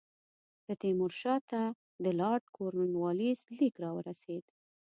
د تیمور شاه ته د لارډ کورنوالیس لیک را ورسېد.